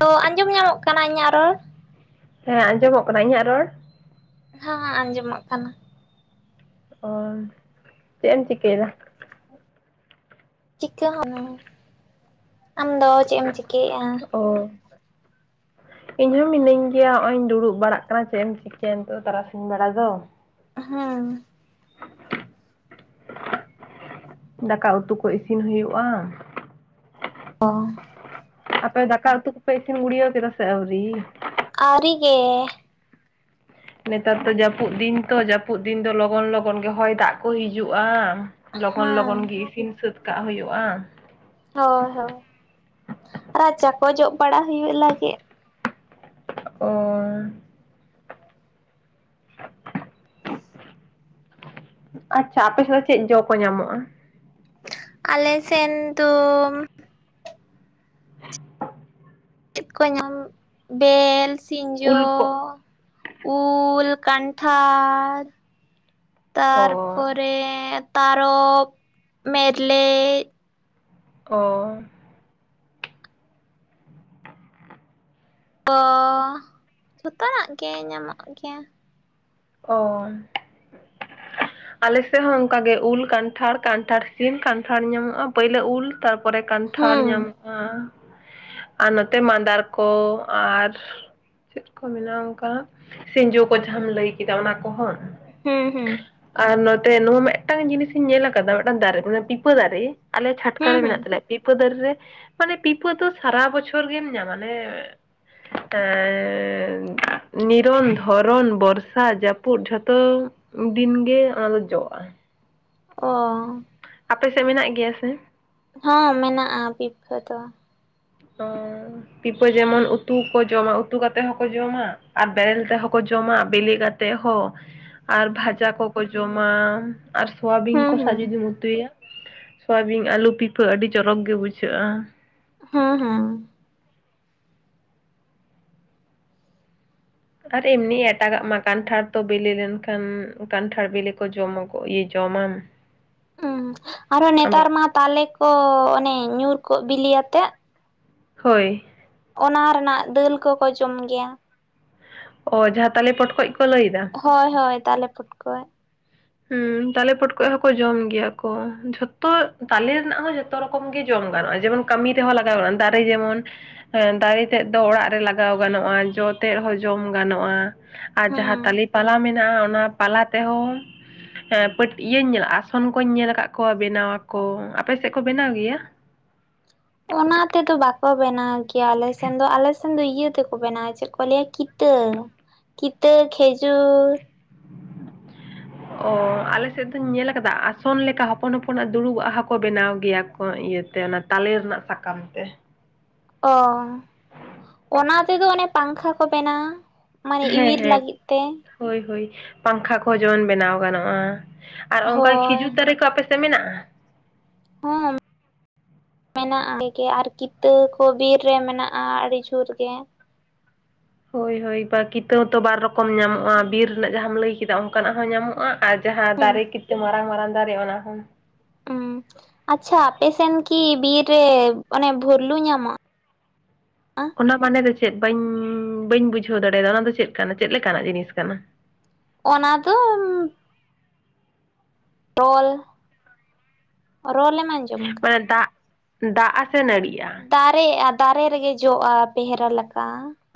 ᱛᱚ, ᱟᱸᱡᱚᱢ ᱧᱟᱢᱚᱜ ᱠᱟᱱᱟ ᱤᱧᱟᱜ ᱨᱚᱲ? ᱦᱮᱸ ᱟᱸᱡᱚᱢᱚᱜ ᱠᱟᱱᱟ ᱤᱧᱟᱜ ᱨᱚᱲ? ᱦᱟᱸ, ᱟᱸᱡᱚᱢᱚᱜ ᱠᱟᱱᱟ᱾ ᱚ ᱪᱮᱫ ᱮᱢ ᱪᱤᱠᱟᱹᱭᱫᱟ? ᱪᱤᱠᱟᱹ ᱦᱢ, ᱟᱢ ᱫᱚ ᱪᱮᱫ ᱮᱢ ᱪᱤᱠᱟᱹᱭᱮᱫᱼᱟ? ᱚ ᱤᱧ ᱦᱚᱸ ᱢᱤᱱᱟᱹᱧ ᱜᱮᱭᱟ ᱦᱚᱸᱜ ᱚᱭᱤᱧ ᱫᱩᱲᱩᱵ ᱵᱟᱲᱟᱜ ᱠᱟᱱᱟ ᱪᱮᱫ ᱮᱢ ᱪᱤᱠᱟᱹᱭᱟ ᱱᱮᱛᱚᱜ ᱛᱟᱨᱟᱥᱤᱧ ᱵᱮᱲᱟ ᱫᱚ᱾ ᱦᱮᱸ᱾ ᱫᱟᱠᱟ ᱩᱛᱩ ᱠᱚ ᱤᱥᱤᱱ ᱦᱩᱭᱩᱜᱼᱟ᱾ ᱚ᱾ ᱟᱯᱮ ᱫᱟᱠᱟ ᱩᱛᱩ ᱠᱚᱯᱮ ᱤᱥᱤᱱ ᱜᱩᱲᱭᱟᱹᱣ ᱠᱮᱫᱟ ᱥᱮ ᱟᱹᱣᱨᱤ? ᱟᱣᱨᱤ ᱜᱮ᱾ ᱱᱮᱛᱟᱨ ᱫᱚ ᱡᱟᱹᱯᱩᱫ ᱫᱤᱱ ᱛᱚ ᱡᱟᱹᱯᱩᱫ ᱫᱤᱱ ᱫᱚ ᱞᱚᱜᱚᱱ ᱞᱚᱜᱚᱱ ᱜᱮ ᱦᱚᱭ ᱫᱟᱜ ᱠᱚ ᱦᱤᱡᱩᱜᱼᱟ᱾ ᱞᱚᱜᱚᱱ ᱦᱩᱸ ᱞᱚᱜᱚᱱ ᱜᱤ ᱤᱥᱤᱱ ᱥᱟᱹᱛ ᱠᱟᱜ ᱦᱩᱭᱩᱜᱼᱟ᱾ ᱦᱳᱭ ᱦᱳᱭ, ᱨᱟᱪᱟᱠᱚ ᱡᱚᱜ ᱵᱟᱲᱟ ᱦᱩᱭᱩᱜ ᱞᱟᱹᱜᱤᱫ᱾ ᱚ᱾ ᱟᱪᱪᱷᱟ, ᱟᱯᱮᱥᱮᱫ ᱫᱚ ᱪᱮᱫ ᱡᱚ ᱠᱚ ᱧᱟᱢᱚᱜᱼᱟ? ᱟᱞᱮ ᱥᱮᱱ ᱫᱚ ᱪᱮᱫ ᱠᱚ ᱧᱟᱢ ᱵᱮᱞ, ᱩᱞ ᱥᱤᱸᱡᱚ᱾ ᱠᱚ ᱩᱞ, ᱠᱟᱱᱴᱷᱟᱲ, ᱚ ᱛᱟᱨᱯᱚᱨᱮ ᱛᱟᱨᱚᱚᱵᱽ, ᱢᱮᱨᱞᱮᱡ, ᱚ᱾ ᱛᱚ ᱡᱚᱛᱚᱱᱟᱜ ᱜᱮ ᱧᱟᱢᱚᱜ ᱜᱮᱭᱟ᱾ ᱚᱻ᱾ ᱟᱞᱮᱥᱮᱫ ᱦᱚᱸ ᱚᱱᱠᱟ ᱜᱮ ᱩᱞ ᱠᱟᱱᱴᱷᱟᱲ ᱠᱟᱱᱴᱷᱟᱲ ᱥᱤᱢ ᱠᱟᱱᱴᱷᱟᱲ ᱧᱟᱢᱚᱜᱼᱟ ᱯᱟᱹᱭᱞᱟᱹ ᱩᱞ᱾ ᱛᱟᱨᱯᱚᱨᱮ ᱠᱟᱱᱴᱷᱟᱲ ᱦᱩᱸ ᱧᱟᱢᱚᱜᱼᱟ᱾ ᱟᱨ ᱱᱚᱛᱮ ᱢᱟᱸᱫᱟᱲ ᱠᱚ᱾ ᱟᱨ ᱪᱮᱫ ᱠᱚ ᱢᱮᱱᱟᱜᱼᱟ ᱚᱱᱠᱟ, ᱥᱤᱸᱡᱚ ᱠᱚ ᱡᱟᱦᱟᱸᱢ ᱞᱟᱹᱭ ᱠᱮᱫᱟ ᱚᱱᱟ ᱠᱚᱦᱚᱸ? ᱦᱮᱸ ᱦᱮᱸ᱾ ᱟᱨ ᱱᱚᱛᱮ ᱱᱚᱣᱟ ᱢᱤᱫᱴᱟᱝ ᱡᱤᱱᱤᱥᱤᱧ ᱧᱮᱞ ᱟᱠᱟᱫᱟ ᱢᱤᱫᱴᱟᱝ ᱫᱟᱨᱮ ᱚᱱᱮ ᱯᱤᱯᱟᱹ ᱫᱟᱨᱮ᱾ ᱟᱞᱮ ᱪᱷᱟᱴᱠᱟ ᱦᱩᱸ ᱨᱮ ᱦᱩᱸ᱾ ᱢᱮᱱᱟᱜ ᱛᱟᱞᱮᱭᱟ᱾ ᱯᱤᱯᱟᱹ ᱫᱟᱨᱮ ᱨᱮ ᱢᱟᱱᱮ ᱯᱤᱯᱟᱹ ᱫᱚ ᱥᱟᱨᱟ ᱵᱚᱪᱷᱚᱨ ᱜᱮᱢ ᱧᱟᱢᱟ ᱱᱮ᱾ ᱱᱤᱨᱚᱱ, ᱫᱷᱚᱨᱚᱱ, ᱵᱚᱨᱥᱟ, ᱡᱟᱹᱯᱩᱫ ᱡᱷᱚᱛᱚ᱾ ᱫᱤᱱᱜᱮ ᱚᱱᱟᱫᱚ ᱡᱚᱜᱼᱟ᱾ ᱚ᱾ ᱟᱯᱮ ᱥᱮᱫ ᱢᱮᱱᱟᱜ ᱜᱮᱭᱟ ᱥᱮ᱾ ᱦᱚᱸ ᱢᱮᱱᱟᱜᱼᱟ ᱯᱤᱯᱷᱟᱹ ᱫᱚ ᱟᱨ ᱯᱤᱯᱟᱹ ᱡᱮᱢᱚᱱ ᱩᱛᱩ ᱠᱚ ᱡᱚᱢᱟ ᱩᱛᱩ ᱠᱟᱛᱮ ᱦᱚᱸᱠᱚ ᱡᱚᱢᱟ ᱟᱨ ᱵᱮᱨᱮᱞ ᱛᱮᱦᱚᱸᱠᱚ ᱡᱚᱢᱟ ᱵᱤᱞᱤ ᱠᱟᱛᱮ ᱛᱮ ᱦᱚᱸ ᱟᱨ ᱵᱷᱟᱡᱟ ᱠᱚᱠᱚ ᱡᱚᱢᱟ ᱟᱨ ᱥᱳᱣᱟᱵᱤᱱ ᱦᱩᱸ ᱠᱚ ᱦᱩᱸ᱾ ᱥᱟᱶ ᱡᱩᱫᱤ ᱩᱛᱩᱭᱟ ᱥᱚᱣᱟᱵᱤᱱ ᱟᱹᱞᱩ ᱯᱤᱯᱷᱟᱹ ᱟᱹᱰᱤ ᱪᱚᱨᱚᱠ ᱜᱮ ᱵᱩᱡᱷᱟᱹᱜᱼᱟ ᱦᱮᱸ ᱦᱮᱸ ᱟᱨ ᱮᱢ ᱱᱤᱭᱟᱹ ᱮᱴᱟᱜᱟᱜ ᱢᱟ ᱠᱟᱱᱴᱷᱟᱲ ᱛᱚ ᱵᱤᱞᱤ ᱞᱮᱱᱠᱷᱟᱱ ᱠᱟᱱᱴᱷᱟᱲ ᱵᱤᱞᱤ ᱠᱚ ᱡᱚᱢᱟ ᱡᱚᱢᱟᱢ ᱦᱸ ᱟᱨᱚ ᱟᱢᱵᱟ ᱱᱮᱛᱟᱨ ᱢᱟ ᱛᱟᱞᱮ ᱠᱚ ᱚᱱᱮ ᱧᱩᱨ ᱠᱚᱜ ᱵᱤᱞᱤᱭᱟᱛᱮᱜ ᱦᱳᱭ ᱚᱱᱟ ᱨᱮᱱᱟᱜ ᱫᱟᱹᱞ ᱠᱚᱠᱚ ᱡᱚᱢ ᱜᱮᱭᱟ᱾ ᱚ ᱡᱟᱦᱟᱸ ᱛᱟᱞᱮ ᱯᱚᱴ ᱠᱷᱚᱡ ᱠᱚ ᱞᱟᱹᱭ ᱮᱫᱟ ᱦᱳᱭ ᱦᱳᱭ ᱛᱟᱞᱮ ᱯᱚᱴᱠᱚᱡ ᱦᱮᱸ ᱛᱟᱞᱮ ᱯᱚᱴ ᱠᱚᱚᱡ ᱦᱚᱸᱠᱚ ᱡᱚᱢ ᱜᱮᱭᱟ ᱠᱚ ᱡᱷᱚᱛᱚ ᱛᱟᱞᱮ ᱨᱮᱱᱟᱜ ᱦᱚᱸ ᱡᱚᱛᱚ ᱡᱚᱛᱚ ᱨᱚᱠᱚᱢ ᱜᱮ ᱡᱚᱢ ᱜᱟᱱᱚᱜᱼᱟ ᱡᱮᱢᱚᱱ ᱠᱟᱹᱢᱤ ᱛᱮᱦᱚᱸ ᱞᱟᱜᱟᱣᱼᱟ ᱫᱟᱨᱮ ᱡᱮᱢᱚᱱ ᱦᱮᱸ ᱫᱟᱨᱮ ᱛᱮᱫ ᱫᱚ ᱚᱲᱟᱜ ᱨᱮ ᱞᱟᱜᱟᱣ ᱜᱟᱱᱚᱜᱼᱟ ᱡᱚ ᱛᱮᱫ ᱦᱚᱸ ᱡᱚᱢ ᱜᱟᱱᱚᱜᱼᱟ ᱟᱨ ᱦᱩᱸ᱾ ᱡᱟᱦᱟᱸ ᱛᱟᱞᱤ ᱯᱟᱞᱟ ᱢᱮᱱᱟᱜᱼᱟ ᱚᱱᱟ ᱯᱟᱞᱟ ᱛᱮᱦᱚᱸ ᱦᱮᱸ ᱯᱤᱴᱭᱟᱹ ᱤᱭᱟᱹᱧ ᱧᱮᱞ ᱟᱥᱚᱱ ᱠᱚᱧ ᱧᱮᱞ ᱟᱠᱟᱫ ᱠᱚᱣᱟ ᱵᱮᱱᱟᱣ ᱟᱠᱚ ᱟᱯᱮ ᱥᱮᱫ ᱠᱚ ᱵᱮᱱᱟᱣ ᱜᱮᱭᱟ ᱚᱱᱟ ᱛᱮᱫᱚ ᱵᱟᱠᱚ ᱵᱮᱱᱟᱣ ᱜᱮᱭᱟ ᱟᱞᱮᱥᱮᱱ ᱫᱚ ᱟᱞᱮ ᱫᱚ ᱤᱭᱟᱹ ᱛᱮᱠᱚ ᱵᱮᱱᱟᱣᱟ ᱪᱮᱫ ᱠᱚ ᱞᱟᱹᱭᱟ ᱠᱤᱛᱟᱹ ᱠᱤᱛᱟᱹ ᱠᱷᱮᱡᱩᱨ᱾ [inaudible] ᱚᱻ ᱟᱞᱮ ᱥᱮᱫ ᱫᱚᱧ ᱧᱮᱞᱞᱟ ᱠᱟᱫᱟ ᱟᱥᱚᱱ ᱞᱮᱠᱟ ᱦᱚᱯᱚᱱ ᱦᱚᱯᱚᱱᱟᱜ ᱫᱩᱲᱩᱵ ᱦᱟᱜ ᱠᱚ ᱵᱮᱱᱟᱣ ᱜᱮᱭᱟ ᱠᱚ ᱤᱭᱟᱹᱛᱮ ᱛᱮ ᱚᱱᱟ ᱛᱟᱞᱮ ᱨᱮᱱᱟᱜ ᱥᱟᱠᱟᱢ ᱛᱮ ᱚ ᱚᱱᱟ ᱛᱮᱫᱚ ᱚᱱᱮ ᱯᱟᱝᱠᱷᱟ ᱠᱚ ᱵᱮᱱᱟᱜᱼᱟ ᱦᱮᱸ ᱦᱮᱸ ᱦᱳᱭ ᱦᱳᱭ ᱯᱟᱝᱠᱷᱟ ᱠᱚᱦᱚᱸ ᱡᱮᱢᱚᱱ ᱵᱮᱱᱟᱣ ᱜᱟᱱᱚᱜᱼᱟ ᱟᱨ ᱚᱱᱠᱟ ᱠᱷᱤᱡᱩᱨ ᱦᱳᱭ ᱫᱟᱨᱮ ᱠᱚ ᱟᱯᱮ ᱥᱮᱫ ᱢᱮᱱᱟᱜᱼᱟ ᱦᱚ ᱢᱮᱱᱟᱜᱼᱟ ᱜᱮ ᱟᱨ ᱠᱤᱛᱟᱹ ᱠᱚ ᱵᱤᱨ ᱨᱮ ᱢᱮᱱᱟᱜᱼᱟ ᱟᱹᱰᱤ ᱡᱳᱨ ᱜᱮ ᱦᱳᱭ ᱦᱳᱭ ᱵᱟ ᱠᱤᱛᱟᱹ ᱛᱚ ᱵᱟᱨ ᱨᱚᱠᱚᱢ ᱧᱟᱢᱚᱜᱼᱟ ᱵᱤᱨ ᱨᱮᱱᱟᱜ ᱡᱟᱦᱟᱸᱟᱢ ᱞᱟᱹᱭ ᱠᱮᱫᱟ ᱚᱱᱠᱟᱱᱟᱜ ᱦᱚᱸ ᱧᱟᱢᱚᱜᱼᱟ ᱟᱨ ᱡᱟᱦᱟᱸ ᱦᱩᱸ ᱫᱟᱨᱮ ᱠᱤᱛᱩ ᱢᱟᱨᱟᱝ ᱢᱟᱨᱟᱝ ᱫᱟᱨᱮ ᱚᱱᱟ ᱠᱷᱚᱱ ᱩ ᱟᱪᱪᱷᱟ ᱟᱯᱮᱥᱮᱱ ᱠᱤ ᱵᱤᱨ ᱨᱮ ᱚᱱᱮ ᱵᱷᱩᱨᱞᱩ ᱧᱟᱢᱚᱜ ᱚᱱᱟ ᱢᱟᱱᱮᱨᱮ ᱪᱮᱫ ᱵᱟᱹᱧ ᱵᱟᱹᱧ ᱵᱩᱡᱷᱟᱹᱣ ᱫᱟᱲᱮᱭᱟᱫᱟ ᱚᱱᱟ ᱫᱚ ᱪᱮᱫ ᱠᱟᱱᱟ ᱪᱮᱫ ᱞᱮᱠᱟᱱᱟᱜ ᱡᱤᱱᱤᱥ ᱠᱟᱱᱟ᱾ ᱚᱱᱟ ᱫᱚ ᱨᱚᱞ ᱨᱚᱞ ᱮᱢ ᱟᱡᱚᱢ ᱢᱟᱱᱮ ᱫᱟᱜ ᱫᱟᱜ ᱟ ᱥᱮ ᱱᱟᱲᱤᱭᱟ ᱫᱟᱨᱮᱜᱼᱟ ᱫᱟᱨᱮ ᱨᱮᱜᱮ ᱡᱚᱜᱼᱟ ᱯᱮᱦᱨᱟ ᱞᱮᱠᱟ᱾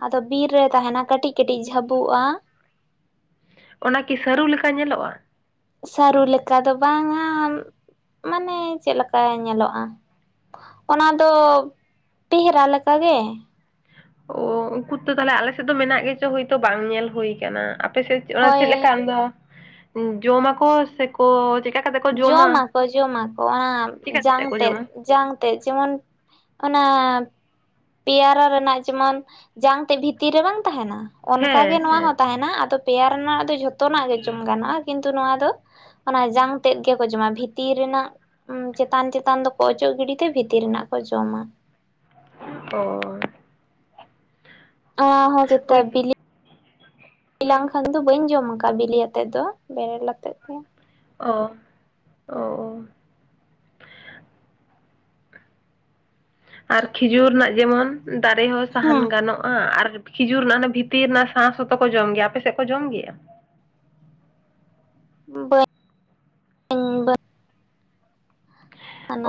ᱟᱫᱚ ᱵᱤᱨ ᱨᱮ ᱛᱟᱦᱮᱱᱟ ᱠᱟᱹᱴᱤᱡ ᱠᱟᱹᱴᱤᱡ ᱡᱷᱟᱹᱵᱚᱜᱼᱟ ᱚᱱᱟ ᱠᱤ ᱥᱟᱹᱨᱩ ᱞᱮᱠᱟ ᱧᱮᱞᱚᱜᱼᱟ ᱥᱟᱹᱨᱩ ᱞᱮᱠᱟ ᱫᱚ ᱵᱟᱝᱟ ᱢᱟᱱᱮ ᱪᱮᱫᱞᱮᱠᱟ ᱧᱮᱞᱚᱜᱼᱟ ᱚᱱᱟ ᱫᱚ ᱴᱮᱦᱨᱟ ᱞᱮᱠᱟ ᱜᱮ ᱚ ᱩᱱᱠᱩ ᱛᱚ ᱛᱟᱦᱚᱞᱮ ᱟᱞᱮᱥᱮᱫ ᱫᱚ ᱢᱮᱱᱟᱜ ᱜᱮᱪᱚ ᱦᱳᱭᱛᱚ ᱵᱟᱝ ᱧᱮᱞ ᱦᱩᱭ ᱟᱠᱟᱱᱟ ᱟᱯᱮᱥᱮᱫ ᱚᱱᱟ ᱦᱳᱭ ᱪᱮᱫ ᱞᱮᱠᱟ ᱟᱢ ᱫᱚ ᱡᱚᱢᱟᱠᱚ ᱥᱮᱠᱚ ᱪᱮᱫ ᱞᱮᱠᱟ᱾ ᱡᱚᱢᱟᱠᱚ ᱡᱚᱢᱟᱠᱚ ᱚᱱᱟ ᱪᱮᱠᱟ ᱡᱟᱝ ᱠᱟᱛᱮᱜ ᱠᱚ ᱛᱮᱮᱫ ᱡᱚᱢᱟ ᱡᱟᱝ ᱛᱮ ᱡᱮᱢᱚᱱ ᱚᱱᱟ ᱯᱮᱭᱟᱨᱟ ᱨᱮᱱᱟᱜ ᱡᱮᱢᱚᱱ ᱡᱟᱝ ᱛᱮᱫ ᱵᱷᱤᱛᱤᱨ ᱨᱮ ᱵᱟᱝ ᱛᱟᱦᱮᱱᱟ ᱚᱱᱠᱟᱜᱮ ᱦᱮᱸ ᱱᱚᱣᱟ ᱦᱮᱸ ᱦᱚᱸ ᱛᱟᱦᱮᱱᱟ ᱟᱫᱚ ᱯᱮᱭᱟᱨ ᱨᱮᱱᱟᱜ ᱫᱚ ᱡᱷᱚᱛᱚᱱᱟᱜ ᱜᱮ ᱡᱚᱢ ᱜᱟᱱᱚᱜᱼᱟ ᱠᱤᱱᱛᱩ ᱱᱚᱣᱟ ᱫᱚ ᱚᱱᱟ ᱡᱟᱝ ᱛᱮᱫ ᱜᱮᱠᱚ ᱡᱚᱢᱟ ᱵᱷᱤᱛᱤᱨ ᱨᱮᱱᱟᱜ ᱪᱮᱛᱟᱱ ᱪᱮᱛᱟᱱ ᱫᱚᱠᱚ ᱚᱪᱚᱜ ᱜᱤᱰᱤ ᱛᱮ ᱵᱷᱤᱛᱤᱨ ᱨᱮᱱᱟᱜ ᱠᱚ ᱡᱚᱢᱟ᱾ ᱚ ᱚ ᱦᱚᱸ ᱪᱮᱛᱟ ᱦᱳᱭᱛᱚ ᱵᱤᱞᱤ ᱞᱮᱞᱟᱝ ᱠᱷᱟᱱ ᱫᱚ ᱵᱟᱹᱧ ᱡᱚᱢ ᱟᱠᱟᱜ ᱵᱤᱞᱤ ᱟᱛᱮ ᱫᱚ ᱵᱮᱨᱮᱞ ᱟᱛᱮᱜ ᱫᱚ ᱚ ᱚᱸᱦ ᱟᱨ ᱠᱷᱤᱡᱩᱨ ᱨᱮᱱᱟᱜ ᱡᱮᱢᱚᱱ ᱫᱟᱨᱮ ᱦᱚᱸ ᱥᱟᱦᱟᱱ ᱦᱮᱸ ᱜᱟᱱᱚᱜᱼᱟ ᱟᱨ ᱠᱷᱤᱡᱩᱨ ᱨᱮᱱᱟᱜ ᱦᱟᱸᱱᱟ ᱵᱷᱤᱛᱤᱨ ᱨᱮᱱᱟᱜ ᱥᱟᱥ ᱦᱚᱸᱛᱚ ᱠᱚ ᱡᱚᱢ ᱜᱮᱭᱟ ᱟᱯᱮ ᱥᱮᱫ ᱠᱚ ᱡᱚᱢ ᱜᱮᱭᱟ? ᱵᱟᱹᱧ ᱵᱟᱹᱧ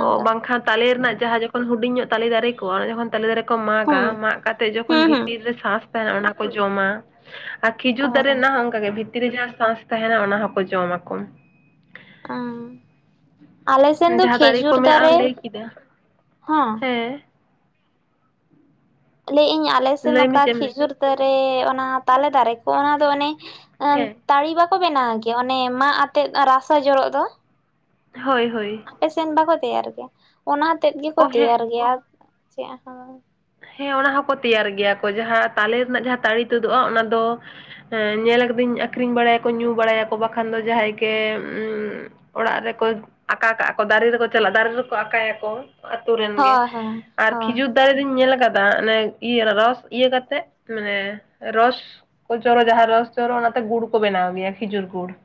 ᱚ ᱵᱟᱝᱠᱷᱟᱱ ᱛᱟᱞᱮ ᱨᱮᱱᱟᱜ ᱡᱟᱦᱟᱸ ᱡᱚᱠᱷᱚᱱ ᱦᱩᱰᱤᱧ ᱧᱚᱜ ᱛᱟᱞᱮ ᱫᱟᱨᱮ ᱠᱚᱣᱟ ᱡᱚᱠᱷᱚᱱ ᱛᱟᱞᱮ ᱫᱟᱨᱮ ᱠᱚ ᱢᱟᱜᱼᱟ ᱦᱩᱸ ᱢᱟᱜ ᱠᱟᱛᱮ ᱡᱚᱠᱷᱚᱱ ᱦᱩᱸ ᱦᱩᱸ ᱵᱷᱤᱛᱤᱨ ᱨᱮ ᱥᱟᱥ ᱛᱟᱦᱮᱱᱟ ᱚᱱᱟ ᱠᱚ ᱡᱚᱢᱟ ᱟᱨ ᱠᱷᱤᱡᱩᱨ ᱚ ᱫᱟᱨᱮ ᱨᱮᱱᱟᱜ ᱦᱚᱸ ᱚᱱᱠᱟᱜᱮ ᱵᱷᱤᱛᱤᱨ ᱨᱮ ᱡᱟᱦᱟᱸ ᱥᱟᱥ ᱛᱟᱦᱮᱱᱟ ᱚᱱᱟ ᱦᱚᱸᱠᱚ ᱡᱚᱢᱟ ᱟᱠᱚ ᱚᱦ ᱟᱞᱮ ᱥᱮᱱ ᱫᱚ ᱠᱷᱮᱡᱩᱨ ᱦᱩᱭᱩᱜᱼᱟ ᱫᱟᱨᱮ ᱞᱟᱹᱭ ᱠᱮᱫᱟ ᱦᱚᱸ ᱦᱮᱸ ᱞᱟᱹᱭ ᱤᱧ ᱟᱞᱮ ᱥᱮᱫ ᱞᱟᱹᱭ ᱢᱮ ᱱᱚᱝᱠᱟ ᱪᱮᱫ ᱮᱢ ᱞᱟᱹᱭᱫᱟ ᱠᱷᱤᱡᱩᱨ ᱫᱟᱨᱮ ᱚᱱᱟ ᱛᱟᱞᱮ ᱫᱟᱨᱮ ᱠᱚ ᱚᱱᱟ ᱫᱚ ᱚᱱᱮ ᱦᱮᱸ ᱛᱟᱲᱤ ᱵᱟᱠᱚ ᱵᱮᱱᱟᱣ ᱜᱮᱭᱟ ᱚᱱᱮ ᱢᱟᱜᱽ ᱟᱛᱮᱜ ᱨᱟᱥᱟ ᱡᱚᱨᱚᱜ ᱫᱚ ᱦᱳᱭ ᱦᱳᱭ ᱟᱯᱮ ᱥᱮᱱ ᱵᱟᱠᱚ ᱛᱮᱭᱟᱨ ᱜᱮᱭᱟ ᱚᱱᱟ ᱛᱮᱫ ᱜᱮᱠᱚ ᱚ ᱦᱮᱸ ᱛᱮᱭᱟᱨ ᱜᱮᱭᱟ ᱪᱮᱫ ᱦᱚᱸ ᱵᱟᱝ ᱦᱮᱸ ᱚᱱᱟ ᱦᱚᱸᱠᱚ ᱛᱮᱭᱟᱨ ᱜᱮᱭᱟ ᱠᱚ ᱡᱟᱦᱟᱸ ᱛᱟᱞᱮ ᱨᱮᱱᱟᱜ ᱡᱟᱦᱟᱸ ᱛᱟᱲᱤ ᱛᱩᱫᱩᱜᱼᱟ ᱚᱱᱟ ᱫᱚ ᱧᱮᱞ ᱠᱟᱹᱫᱟᱹᱧ ᱟᱠᱷᱨᱤᱧ ᱵᱟᱲᱟᱭᱟᱠᱚ ᱧᱩ ᱵᱟᱲᱟᱭᱟᱠᱚ ᱵᱟᱠᱷᱟᱱ ᱫᱚ ᱡᱟᱦᱟᱸᱭ ᱜᱮ ᱚᱲᱟᱜ ᱨᱮᱠᱚ ᱟᱠᱟ ᱠᱟᱜᱼᱟ ᱠᱚ ᱫᱟᱨᱮ ᱨᱮᱠᱚ ᱪᱟᱞᱟᱜᱼᱟ ᱫᱟᱨᱮ ᱨᱮᱠᱚ ᱟᱠᱟ ᱭᱟᱠᱚ ᱟᱹᱛᱩ ᱨᱮᱱ ᱜᱮ ᱦᱳᱭ ᱦᱳᱭ ᱟᱨ ᱦᱳᱭ ᱠᱷᱤᱡᱩᱨ ᱫᱟᱲᱮ ᱨᱤᱱ ᱧᱮᱞ ᱟᱠᱟᱫᱟ ᱚᱱᱮ ᱤᱭᱟᱹ ᱨᱚᱥ ᱤᱭᱟᱹ ᱠᱟᱛᱮ ᱢᱟᱱᱮ ᱨᱚᱥ ᱩᱡᱷᱟᱞᱚ ᱡᱟᱦᱟᱸ ᱨᱚᱥ ᱡᱚᱨᱚᱜ ᱚᱱᱟᱛᱮ ᱜᱩᱲ ᱠᱚ ᱵᱮᱱᱟᱣ ᱜᱮᱭᱟ ᱠᱷᱤᱡᱩᱨ ᱜᱩᱲ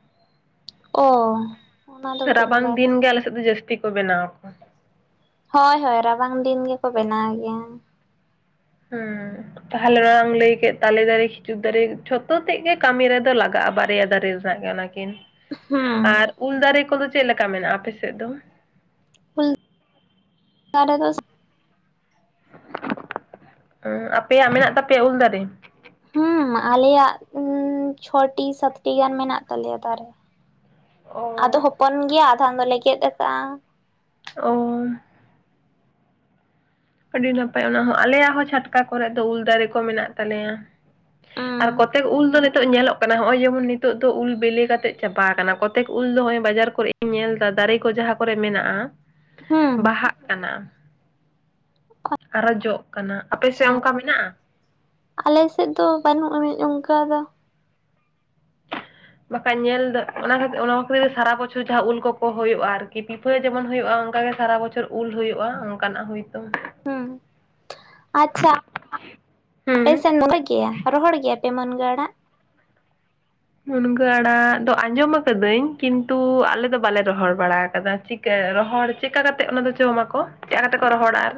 ᱚ ᱚᱱᱟ ᱫᱚ ᱵᱟᱹᱧ ᱨᱟᱵᱟᱝ ᱫᱤᱱ ᱵᱟᱰᱟᱭ ᱜᱮ ᱟᱞᱮ ᱥᱮᱱ ᱫᱚ ᱡᱟᱹᱥᱛᱤ ᱠᱚ ᱵᱮᱱᱟᱣ ᱟᱠᱚ ᱦᱳᱭ ᱦᱳᱭ ᱨᱟᱵᱟᱝ ᱫᱤᱱ ᱜᱮᱠᱚ ᱵᱮᱱᱟᱣ ᱜᱮᱭᱟ᱾ ᱦᱩᱸ ᱛᱟᱦᱚᱞᱮ ᱚᱱᱟ ᱮᱢ ᱞᱟᱹᱭ ᱠᱮᱫ ᱛᱟᱞᱮ ᱫᱟᱨᱮ ᱠᱷᱤᱡᱩᱨ ᱫᱟᱨᱮ ᱡᱷᱚᱛᱚ ᱛᱮᱫ ᱜᱮ ᱠᱟᱹᱢᱤ ᱨᱮᱫᱚ ᱞᱟᱜᱟᱜᱼᱟ ᱵᱟᱨᱭᱟ ᱫᱟᱨᱮ ᱨᱮ ᱢᱮᱱᱟᱜ ᱜᱮᱭᱟ ᱚᱱᱟ ᱠᱤᱱ ᱟᱨ ᱦᱩᱸ ᱩᱞ ᱫᱟᱨᱮ ᱠᱚᱫᱚ ᱪᱮᱫ ᱞᱮᱠᱟ ᱢᱮᱱᱟᱜᱼᱟ ᱟᱯᱮ ᱥᱮᱫ ᱫᱚ ᱩᱞ ᱫᱟᱨᱮ ᱫᱚ ᱟᱯᱮᱭᱟᱜ ᱢᱮᱱᱟᱜ ᱛᱟᱯᱮᱭᱟ ᱩᱞ ᱫᱟᱨᱮ᱾ ᱦᱩᱸ ᱟᱞᱮᱭᱟᱜ ᱪᱷᱚᱴᱤ ᱥᱟᱛᱴᱤ ᱜᱟᱱ ᱢᱮᱱᱟᱜ ᱛᱟᱞᱮᱭᱟ ᱫᱟᱨᱮ ᱚ ᱟᱫᱚ ᱦᱚᱯᱚᱱ ᱜᱮᱭᱟ ᱟᱫᱷᱟᱢ ᱫᱚᱞᱮ ᱜᱮᱫ ᱟᱠᱟᱜᱼᱟ᱾ ᱚ ᱟᱹᱰᱤ ᱱᱟᱯᱟᱭ ᱚᱱᱟ ᱦᱚᱸ ᱟᱞᱮᱭᱟᱜ ᱦᱚᱸ ᱪᱷᱟᱴᱠᱟ ᱠᱚᱨᱮ ᱫᱚ ᱩᱞ ᱫᱟᱨᱮ ᱠᱚ ᱢᱮᱱᱟᱜ ᱛᱟᱞᱮᱭᱟ᱾ ᱩᱸ ᱟᱨ ᱠᱚᱛᱮᱠ ᱩᱞ ᱫᱚᱞᱮ ᱱᱤᱛᱚᱜ ᱧᱮᱞᱚᱜ ᱠᱟᱱᱟ ᱦᱚᱜᱼᱚᱭ ᱡᱮᱢᱚᱱ ᱱᱤᱛᱚᱜ ᱫᱚ ᱩᱞ ᱵᱤᱞᱮ ᱠᱟᱛᱮ ᱪᱟᱵᱟ ᱟᱠᱟᱱᱟ ᱠᱚᱛᱮᱠ ᱩᱞ ᱫᱚ ᱱᱚᱜᱼᱚᱭ ᱵᱟᱡᱟᱨ ᱠᱚᱨᱮ ᱤᱧ ᱧᱮᱞ ᱫᱟ ᱫᱟᱨᱮ ᱠᱚ ᱡᱟᱦᱟᱸ ᱠᱚᱨᱮ ᱢᱮᱱᱟᱜᱼᱟ ᱦᱩᱸ ᱵᱟᱦᱟᱜ ᱠᱟᱱᱟ᱾ ᱟᱨᱚ ᱡᱚᱜ ᱠᱟᱱᱟ ᱟᱯᱮ ᱥᱮᱫ ᱟᱪᱪᱷᱟ ᱚᱱᱠᱟ ᱢᱮᱱᱟᱜᱼᱟ᱾ ᱟᱞᱮ ᱥᱮᱫ ᱫᱚ ᱵᱟᱹᱱᱩᱜ ᱟᱹᱱᱤᱡᱽ ᱚᱱᱠᱟ ᱫᱚ᱾ [inaudible] ᱵᱟᱠᱷᱟᱡ ᱧᱮᱞ ᱫᱚ ᱚᱱᱟ ᱠᱚᱫᱚ ᱚᱱᱟ ᱥᱟᱨᱟ ᱵᱚᱪᱷᱩ ᱡᱟᱦᱟᱸ ᱩᱞ ᱠᱚᱠᱚ ᱦᱩᱭᱩᱜᱼᱟ ᱟᱨᱠᱤ ᱯᱤ ᱯᱷᱮᱨ ᱡᱮᱢᱚᱱ ᱦᱩᱭᱩᱜᱼᱟ ᱚᱱᱠᱟᱜ ᱜᱮ ᱥᱟᱨᱟ ᱵᱚᱪᱷᱚᱨ ᱩᱞ ᱦᱩᱭᱩᱜᱼᱟ ᱚᱱᱠᱟᱱᱟᱜ ᱦᱳᱭ ᱛᱳ ᱦᱩᱸ ᱟᱪᱪᱷᱟ ᱟᱯᱮ ᱦᱩᱸ ᱥᱮᱱ [unintelligible] ᱜᱮᱭᱟ ᱨᱚᱦᱚᱲ ᱜᱮᱭᱟ ᱛᱮᱢᱚᱱ ᱜᱮ ᱟᱲᱟᱜ ᱢᱩᱱᱜᱟᱹ ᱟᱲᱟᱜ ᱫᱚ ᱟᱸᱡᱚᱢ ᱠᱟᱹᱫᱟᱹᱧ ᱠᱤᱱᱛᱩ ᱟᱞᱮ ᱫᱚ ᱵᱟᱞᱮ ᱨᱚᱦᱚᱭ ᱵᱟᱲᱟ ᱟᱠᱟᱫᱟ ᱨᱚᱦᱚᱲ ᱪᱮᱫ ᱞᱮᱠᱟ ᱠᱟᱛᱮ ᱚᱱᱟ ᱫᱚ ᱡᱚᱢᱟᱠᱚ ᱪᱮᱫᱠᱟ ᱠᱟᱛᱮ ᱠᱚ ᱨᱚᱦᱚᱲᱟ ᱟᱨ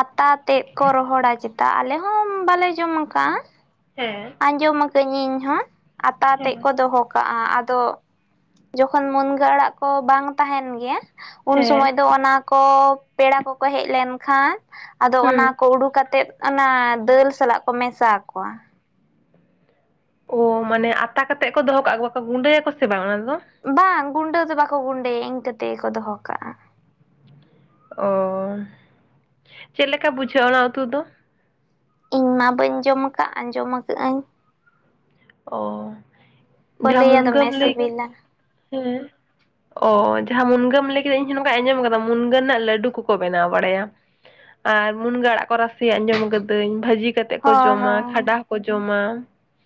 ᱟᱛᱟ ᱛᱮᱫ ᱠᱚ ᱨᱚᱦᱚᱲ ᱪᱮᱛᱟᱜ ᱟᱞᱮ ᱦᱚᱸ ᱵᱟᱞᱮ ᱡᱚᱢ ᱠᱟᱜᱼᱟ ᱦᱮᱸ ᱟᱸᱡᱚᱢ ᱟᱠᱟᱹ ᱤᱧ ᱦᱚᱸ ᱟᱛᱟ ᱦᱮᱸ ᱛᱮᱫ ᱠᱚ ᱫᱚᱦᱚ ᱠᱟᱜ ᱠᱟᱜ ᱟᱫᱚ ᱡᱚᱠᱷᱚᱱ ᱢᱩᱱᱜᱟᱹ ᱟᱲᱟᱜ ᱠᱚ ᱵᱟᱝ ᱛᱟᱦᱮᱱ ᱜᱮᱭᱟ ᱩᱱ ᱦᱮᱸ ᱥᱚᱢᱚᱭ ᱫᱚ ᱚᱱᱟ ᱠᱚ ᱯᱮᱲᱟ ᱠᱚᱠᱚ ᱦᱮᱡ ᱞᱮᱱᱠᱷᱟᱱ ᱟᱫᱚ ᱦᱩᱸ ᱚᱱᱟ ᱠᱚ ᱩᱰᱩᱠ ᱠᱟᱛᱮᱫ ᱚᱱᱟ ᱫᱟᱹᱞ ᱥᱟᱞᱟᱜ ᱠᱚ ᱢᱮᱥᱟᱠᱚᱣᱟ ᱢᱟᱱᱮ ᱟᱛᱟ ᱠᱟᱛᱮᱜ ᱠᱚ ᱫᱚᱦᱚ ᱠᱟᱜ ᱟ ᱠᱚ ᱜᱩᱸᱰᱟᱹᱭᱟᱠᱚ ᱥᱮ ᱵᱟᱝ ᱚᱱᱟ ᱫᱚ ᱵᱟᱝ ᱜᱩᱸᱰᱟᱹ ᱫᱚ ᱵᱟᱠᱚ ᱜᱩᱸᱰᱟᱹᱭᱟ ᱤᱱᱠᱟᱹ ᱛᱮᱠᱚ ᱫᱚᱦᱚ ᱠᱟᱜᱼᱟ ᱚ ᱪᱮᱫ ᱞᱮᱠᱟ ᱵᱩᱡᱷᱟᱹᱜ ᱚᱱᱟ ᱩᱛᱩ ᱫᱚ ᱤᱧ ᱢᱟ ᱵᱟᱹᱧ ᱡᱚᱢ ᱟᱠᱟᱫ ᱟᱸᱡᱚᱢ ᱟᱠᱟᱫᱟᱹᱧ ᱚ ᱠᱚ ᱡᱟᱦᱟᱸ ᱞᱟᱹᱭᱟ ᱢᱩᱱᱜᱟᱹᱢ ᱫᱚᱢᱮ ᱞᱟᱹᱭ ᱥᱤᱵᱤᱞᱟ ᱦᱮᱸ ᱚ ᱡᱟᱦᱟᱸ ᱢᱩᱱᱜᱟᱹᱢ ᱞᱟᱹᱭ ᱠᱮᱫᱟ ᱤᱧ ᱦᱚᱸ ᱱᱚᱝᱠᱟ ᱟᱸᱡᱚᱢ ᱠᱟᱫᱟ ᱢᱩᱱᱜᱟᱹᱱ ᱨᱮᱱᱟᱜ ᱞᱟᱹᱰᱩ ᱠᱚᱠᱚ ᱵᱮᱱᱟᱣ ᱵᱟᱲᱟᱭᱟ ᱟᱨ ᱢᱩᱱᱜᱟᱹ ᱟᱲᱟᱜ ᱠᱚ ᱨᱟᱥᱮᱭᱟᱜ ᱟᱸᱡᱚᱢ ᱟᱠᱟᱫᱟᱹᱧ ᱵᱷᱟᱹᱡᱤ ᱠᱟᱛᱮᱫ ᱠᱚ ᱦᱳᱭ ᱡᱚᱢᱟ ᱦᱳᱭ ᱠᱷᱟᱰᱟ ᱦᱚᱸᱠᱚ ᱡᱚᱢᱟ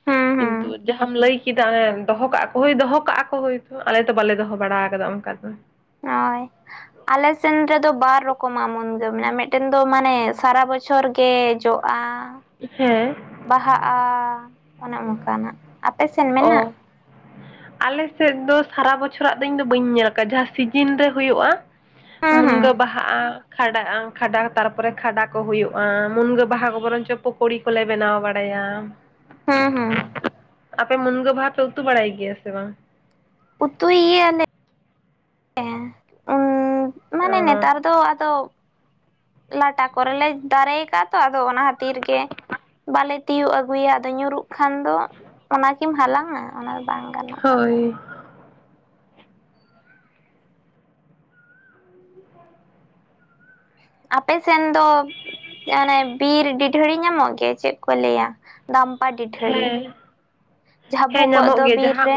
ᱦᱩᱸ ᱦᱩᱸ ᱠᱤᱱᱛᱩ ᱡᱟᱦᱟᱸᱢ ᱞᱟᱹᱭ ᱠᱮᱫᱟ ᱚᱱᱮ ᱫᱚᱦᱚ ᱠᱟᱜᱼᱟ ᱠᱚ ᱦᱳᱭ ᱫᱚᱦᱚ ᱠᱟᱜᱼᱟ ᱠᱚ ᱦᱳᱭᱛᱚ ᱟᱞᱮ ᱛᱚ ᱵᱟᱞᱮ ᱫᱚᱦᱚ ᱵᱟᱲᱟ ᱠᱟᱫᱟ ᱚᱱᱠᱟ ᱫᱚ ᱱᱚᱭ ᱟᱞᱮ ᱥᱮᱱ ᱨᱮᱫᱚ ᱵᱟᱨ ᱨᱚᱠᱚᱢᱟᱜ ᱢᱩᱱᱜᱟᱹ ᱢᱮᱱᱟᱜᱼᱟ ᱢᱤᱫᱴᱮᱱ ᱫᱚ ᱢᱟᱱᱮ ᱥᱟᱨᱟ ᱵᱚᱪᱷᱚᱨ ᱵᱚᱪᱷᱚᱨ ᱜᱮ ᱡᱚᱜᱼᱟ ᱦᱮᱸ ᱵᱟᱦᱟᱜᱼᱟ ᱚᱱᱮ ᱚᱱᱠᱟᱱᱟᱜ ᱟᱯᱮ ᱥᱮ ᱚ ᱟᱞᱮ ᱥᱮᱫ ᱫᱚ ᱥᱟᱨᱟ ᱵᱚᱪᱷᱚᱨᱟᱜ ᱫᱚ ᱤᱧ ᱫᱚ ᱵᱟᱹᱧ ᱧᱮᱞ ᱟᱠᱟᱫᱼᱟ ᱡᱟᱦᱟᱸ ᱥᱤᱡᱤᱱ ᱨᱮ ᱦᱩᱭᱩᱜᱼᱟ ᱦᱩᱸ ᱦᱩᱸ ᱢᱩᱱᱜᱟᱹ ᱵᱟᱦᱟᱜᱼᱟ ᱠᱷᱟᱰᱟᱜᱼᱟ ᱠᱷᱟᱰᱟ ᱛᱟᱨᱯᱚᱨᱮ ᱠᱷᱟᱰᱟ ᱠᱚ ᱦᱩᱭᱩᱜᱼᱟ ᱢᱩᱱᱜᱟᱹ ᱵᱟᱦᱟ ᱠᱚ ᱵᱚᱨᱚᱱ ᱪᱚᱝ ᱯᱚᱠᱚᱲᱤ ᱠᱚᱞᱮ ᱵᱮᱱᱟᱣ ᱵᱟᱲᱟᱭᱟ ᱦᱮᱸ ᱦᱮᱸ ᱟᱯᱮ ᱢᱩᱱᱜᱟᱹ ᱵᱟᱦᱟ ᱯᱮ ᱩᱛᱩ ᱵᱟᱲᱟᱭ ᱜᱮᱭᱟ ᱥᱮ ᱵᱟᱝ ᱩᱛᱩᱭ ᱜᱮᱭᱟ ᱞᱮ ᱢᱟᱱᱮ ᱱᱮᱛᱟᱨ ᱫᱚ ᱟᱫᱚ ᱞᱟᱴᱟ ᱠᱚᱨᱮᱞᱮ ᱫᱟᱨᱮ ᱟᱠᱟᱫ ᱛᱚ ᱟᱫᱚ ᱚᱱᱟ ᱠᱷᱟᱹᱛᱤᱨ ᱜᱮ ᱵᱟᱞᱮ ᱛᱤᱭᱳᱜ ᱟᱹᱜᱩᱭᱟ ᱟᱫᱚ ᱧᱩᱨᱩᱜ ᱠᱷᱟᱱ ᱫᱚ ᱚᱱᱟ ᱠᱤᱢ ᱦᱟᱞᱟᱝᱼᱟ ᱚᱱᱟ ᱵᱟᱝ ᱜᱟᱱᱚᱜᱼᱟ ᱦᱳᱭ ᱟᱯᱮ ᱥᱮᱱ ᱫᱚ ᱚᱱᱮ ᱵᱤᱨ ᱰᱤᱰᱷᱟᱹᱲᱤ ᱧᱟᱢᱚᱜ ᱜᱮ ᱪᱮᱫ ᱠᱚ ᱞᱟᱹᱭᱟ ᱫᱟᱢᱯᱟ ᱰᱤᱰᱷᱟᱹᱲᱤ ᱦᱮᱸ ᱡᱟᱦᱟᱹ ᱵᱩ ᱦᱮᱸ ᱠᱚᱜ ᱧᱟᱢᱚᱜ ᱫᱚ ᱜᱮᱭᱟ ᱵᱤᱨ ᱡᱟᱦᱟᱸ ᱨᱮ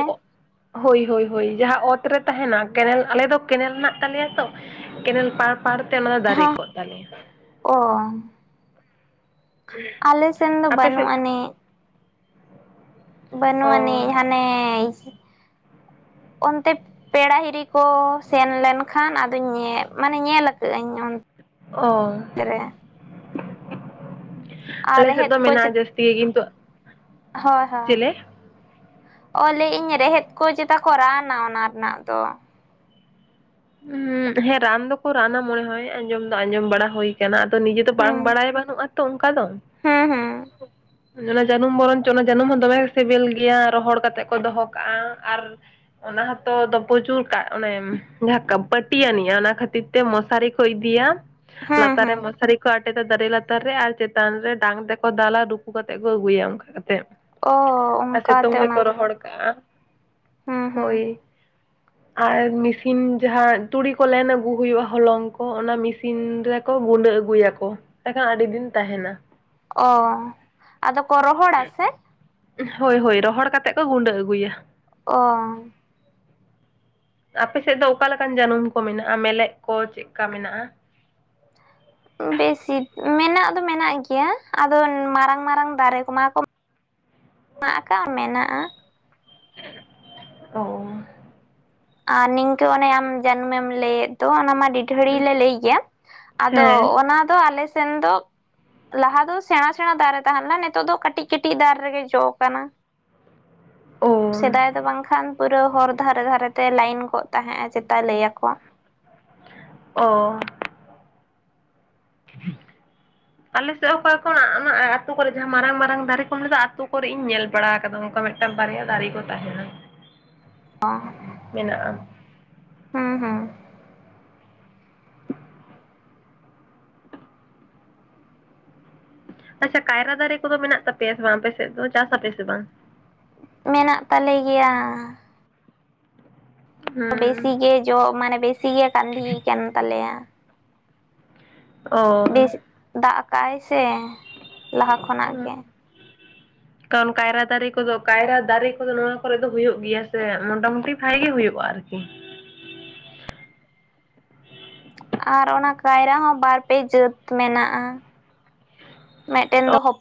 ᱦᱳᱭ ᱦᱳᱭ ᱦᱳᱭ ᱡᱟᱦᱟᱸ ᱚᱛ ᱨᱮ ᱛᱟᱦᱮᱱᱟ ᱠᱮᱱᱮᱞ ᱟᱞᱮ ᱫᱚ ᱠᱮᱱᱮᱞ ᱢᱮᱱᱟᱜᱮ ᱛᱟᱞᱮᱭᱟ ᱛᱚ ᱠᱮᱱᱮᱞ ᱯᱟᱲ ᱯᱟᱲᱛᱮ ᱢᱟᱱᱮ ᱫᱟᱨᱮ ᱦᱚᱸ ᱠᱚ ᱛᱟᱞᱮᱭᱟ ᱚ ᱟᱞᱮ ᱥᱮᱱ ᱫᱚ ᱟᱯᱮ ᱵᱟᱹᱱᱩᱜ ᱥᱮᱫ ᱟᱹᱱᱤᱡ ᱵᱟᱹᱱᱩᱜ ᱟᱹᱱᱤᱡ ᱚ ᱦᱟᱱᱮ ᱚᱱᱛᱮ ᱯᱮᱲᱟ ᱦᱤᱨᱤ ᱠᱚ ᱥᱮᱱᱞᱱᱠᱷᱟᱱ ᱟᱫᱚᱧ ᱢᱟᱱᱮ ᱧᱮᱞᱠᱟᱜ ᱟᱹᱧ ᱚ ᱟᱨ ᱟᱞᱮ ᱥᱮᱫ ᱨᱮᱦᱮᱫ ᱫᱚ ᱠᱚ ᱪᱚ ᱢᱮᱱᱟᱜᱼᱟ ᱡᱟᱹᱥᱛᱤ ᱜᱮ ᱠᱤᱱᱛᱩ ᱦᱳᱭ ᱦᱳᱭ ᱪᱮᱞᱮ ᱚ ᱞᱮᱭ ᱤᱧ ᱨᱮᱦᱮᱫ ᱠᱚ ᱪᱮᱫᱟ ᱠᱚ ᱨᱟᱱᱟᱼᱟ ᱚᱱᱟ ᱨᱮᱱᱟᱜ ᱫᱚ ᱦᱩ ᱦᱮᱸ ᱨᱟᱱ ᱫᱚᱠᱚ ᱨᱟᱱ ᱢᱚᱱᱮ ᱦᱚ ᱟᱸᱡᱚᱢ ᱫᱚ ᱟᱸᱡᱚᱢ ᱵᱟᱲᱟ ᱦᱩᱭ ᱟᱠᱟᱱᱟ ᱛᱚ ᱱᱤᱡᱮ ᱫᱚ ᱦᱩᱸ ᱵᱟᱝ ᱵᱟᱲᱟᱭ ᱵᱟᱹᱱᱩᱜᱼᱟ ᱛᱚ ᱚᱱᱠᱟ ᱫᱚ ᱦᱩᱸ ᱦᱩᱸ ᱚᱱᱟ ᱡᱟᱹᱱᱩᱢ ᱵᱚᱨᱚᱱ ᱪᱚ ᱚᱱᱟ ᱡᱟᱹᱱᱩᱢ ᱦᱚᱸ ᱫᱚᱢᱮ ᱥᱤᱵᱤᱞ ᱜᱮᱭᱟ ᱨᱚᱦᱚᱲ ᱠᱟᱛᱮᱜ ᱠᱚ ᱫᱚᱦᱚ ᱠᱟᱜᱼᱟ ᱟᱨ ᱚᱱᱟ ᱦᱚᱸᱛᱚ ᱫᱚ ᱯᱚᱡᱩᱨ ᱠᱟᱜ ᱚᱱᱮᱢ ᱡᱟᱦᱟᱸ ᱯᱟᱹᱴᱤ ᱟᱹᱱᱤᱡᱼᱟ ᱚᱱᱟ ᱠᱷᱟᱹᱛᱤᱨ ᱛᱮ ᱢᱚᱥᱟᱨᱤ ᱠᱚ ᱤᱫᱤᱭᱟ ᱦᱩᱸ ᱞᱟᱛᱟᱨ ᱨᱮ ᱦᱩᱸ ᱢᱚᱥᱟᱨᱤ ᱟᱴᱮᱫᱟ ᱫᱟᱨᱮ ᱞᱟᱛᱟᱨ ᱨᱮ ᱟᱨ ᱪᱮᱛᱟᱱ ᱨᱮ ᱰᱟᱝ ᱛᱮᱠᱚ ᱫᱟᱞᱟ ᱨᱩᱠᱩ ᱠᱟᱛᱮᱫ ᱠᱚ ᱟᱹᱜᱩᱭᱟ ᱚᱱᱠᱟ ᱠᱟᱛᱮ ᱚ ᱟᱨ ᱥᱤᱛᱩᱝ ᱚᱱᱠᱟᱛᱮ ᱚᱱᱟ ᱨᱮᱠᱚ ᱫᱚ ᱨᱚᱦᱚᱲ ᱠᱟᱜᱼᱟ ᱦᱩᱸ ᱦᱩᱸ ᱦᱳᱭ ᱟᱨ ᱢᱤᱥ ᱤᱥᱤᱱ ᱡᱟᱦᱟᱸ ᱛᱩᱲᱤ ᱠᱚ ᱞᱮᱱ ᱟᱹᱜᱩ ᱦᱩᱭᱩᱜᱼᱟ ᱦᱚᱞᱚᱝ ᱠᱚ ᱚᱱᱟ ᱢᱤᱥᱤᱱ ᱨᱮᱠᱚ ᱜᱩᱸᱰᱟᱹ ᱟᱹᱜᱩᱭᱟᱠᱚ᱾ ᱮᱱᱠᱷᱟᱱ ᱟᱹᱰᱤ ᱫᱤᱱ ᱛᱟᱦᱮᱱᱟ᱾ ᱚ ᱟᱫᱚ ᱠᱚ ᱨᱚᱦᱚᱲᱟ ᱥᱮ ᱦᱳᱭ ᱦᱳᱭ ᱨᱚᱦᱚᱲ ᱠᱟᱛᱮᱜ ᱠᱚ ᱜᱩᱸᱰᱟᱹ ᱟᱹᱜᱩᱭᱟ᱾ ᱚ ᱟᱯᱮ ᱥᱮᱫ ᱫᱚ ᱚᱠᱟ ᱞᱮᱠᱟᱱ ᱡᱟᱹᱱᱩᱢ ᱠᱚ ᱢᱮᱱᱟᱜᱼᱟ ᱢᱮᱞᱮᱫ ᱠᱚ ᱪᱮᱫ ᱠᱟ ᱢᱮᱱᱟᱜᱼᱟ ᱵᱮᱥᱤ ᱢᱮᱱᱟᱜ ᱫᱚ ᱢᱮᱱᱟᱜ ᱜᱮᱭᱟ ᱟᱫᱚ ᱢᱟᱨᱟᱝ ᱢᱟᱨᱟᱝ ᱫᱟᱨᱮ ᱠᱚᱢᱟ ᱠᱚ᱾ ᱟᱠᱟ ᱢᱮᱱᱟᱜᱼᱟ ᱚ ᱟᱨ ᱱᱤᱝᱠᱟᱹ ᱚᱱᱮ ᱟᱢ ᱡᱟᱱᱩᱢᱮᱢ ᱞᱟᱹᱭᱮᱫ ᱫᱚ ᱚᱱᱟ ᱢᱟ᱾ ᱜᱷᱟᱹᱲᱤ ᱞᱮ ᱞᱟᱹᱭ ᱜᱮᱭᱟ ᱟᱫᱚ ᱦᱮᱸ ᱚᱱᱟ ᱫᱚ ᱟᱞᱮ ᱥᱮᱱ ᱫᱚ ᱞᱟᱦᱟ ᱫᱚ ᱥᱮᱬᱟ ᱥᱮᱬᱟ ᱫᱟᱨᱮ ᱛᱟᱦᱮᱸ ᱞᱮᱱᱟ ᱱᱤᱛᱚᱜ ᱫᱚ ᱠᱟᱹᱴᱤᱡ ᱠᱟᱹᱴᱤᱡ ᱫᱟᱨᱮ ᱨᱮᱜᱮ ᱡᱚ ᱠᱟᱱᱟ᱾ ᱚ ᱥᱮᱫᱟᱭ ᱫᱚ ᱵᱟᱝᱠᱷᱟᱱ ᱯᱩᱨᱟᱹ ᱦᱚᱨ ᱫᱷᱟᱨᱮ ᱫᱷᱟᱨᱮ ᱛᱮ ᱞᱟᱭᱤᱱ ᱠᱚᱜ ᱛᱟᱦᱮᱸᱜ ᱼᱮ ᱪᱮᱛᱟ ᱞᱟᱹᱭᱟᱠᱚ ᱚ [inaudible] ᱟᱞᱮ ᱥᱮᱫ ᱚᱠᱟ ᱠᱷᱚᱱᱟᱜ ᱚᱱᱟ ᱟ ᱟᱹᱛᱩ ᱠᱚᱨᱮ ᱡᱟᱦᱟᱸ ᱢᱟᱨᱟᱝ ᱢᱟᱨᱟᱝ ᱫᱟᱨᱮ ᱠᱚᱢ ᱞᱮᱫᱟ ᱟᱛᱩ ᱠᱚᱨᱮ ᱤᱧ ᱧᱮᱞ ᱵᱟᱲᱟ ᱠᱟᱫᱟ ᱚᱱᱠᱟ ᱢᱤᱫᱴᱟᱝ ᱢᱤᱫᱴᱟᱝ ᱵᱟᱨᱭᱟ ᱫᱟᱨᱤ ᱠᱚ ᱛᱟᱦᱮᱱᱟ᱾ ᱚ ᱢᱮᱱᱟᱜᱼᱟ ᱟᱪᱪᱷᱟ ᱠᱟᱭᱨᱟ ᱫᱟᱨᱮ ᱠᱚᱫᱚ ᱢᱮᱱᱟᱜ ᱛᱟᱯᱮᱭᱟ ᱥᱮ ᱵᱟᱝ ᱟᱯᱮ ᱥᱮᱫ ᱫᱚ ᱪᱟᱥ ᱟᱯᱮ ᱥᱮ ᱵᱟᱝ᱾ ᱢᱮᱱᱟᱜ ᱛᱟᱞᱮ ᱜᱮᱭᱟ᱾ ᱦᱩᱸ ᱵᱮᱥᱤᱜ ᱜᱮ ᱡᱚ ᱢᱟᱱᱮ ᱵᱮᱥᱤ ᱜᱮ ᱠᱟᱸᱫᱷᱤᱭ ᱠᱟᱱ ᱛᱟᱞᱮᱭᱟ ᱚ ᱵᱮᱥ ᱫᱟᱜ ᱟᱠᱟᱭ ᱥᱮ ᱞᱟᱦᱟ ᱠᱷᱚᱱᱟᱜ ᱜᱮ ᱠᱟᱨᱚᱱ ᱠᱟᱭᱨᱟ ᱫᱟᱨᱮ ᱠᱚᱫᱚ ᱠᱟᱭᱨᱟ ᱫᱟᱨᱮ ᱠᱚᱫᱚ ᱱᱚᱣᱟ ᱠᱚᱨᱮ ᱫᱚ ᱦᱩᱭᱩᱜ ᱜᱮᱭᱟ ᱥᱮ ᱢᱚᱴᱟ ᱢᱩᱴᱤ ᱵᱷᱟᱜᱤ ᱜᱮ ᱦᱩᱭᱩᱜᱼᱟ ᱟᱨᱠᱤ ᱟᱨ ᱚᱱᱟ ᱠᱟᱭᱨᱟ ᱦᱚᱸ ᱵᱟᱨ ᱯᱮ ᱡᱟᱹᱛ ᱢᱮᱱᱟᱜᱼᱟ ᱢᱤᱫᱴᱮᱱ ᱫᱚ ᱦᱚᱯᱚᱱ